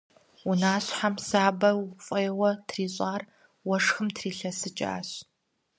Унащхьэм сабэу, фӀейуэ трищӀар уэшхым трилъэсыкӀащ.